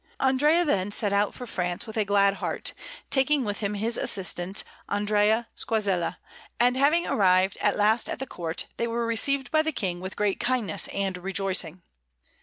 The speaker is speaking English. Andrea then set out for France with a glad heart, taking with him his assistant Andrea Sguazzella; and, having arrived at last at the Court, they were received by the King with great kindness and rejoicing.